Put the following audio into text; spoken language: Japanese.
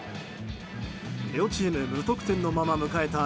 両チーム無得点のまま迎えた